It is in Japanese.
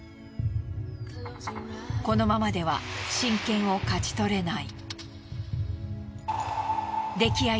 このままでは親権を勝ち取れない。